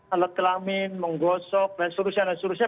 alat kelamin menggosok dan sebagainya